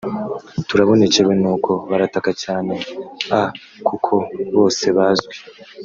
turabonekewe nuko barataka cyane a kuko bose bazwi